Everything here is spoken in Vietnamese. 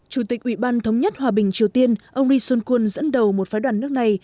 chủ tịch ủy ban thống nhất hòa bình triều tiên ông lee sun kun dẫn đầu một phái đoàn nước này